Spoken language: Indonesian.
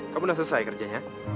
kamu udah selesai kerjanya